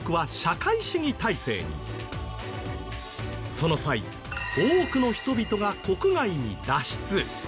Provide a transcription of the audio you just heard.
その際多くの人々が国外に脱出。